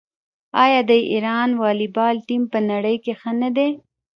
آیا د ایران والیبال ټیم په نړۍ کې ښه نه دی؟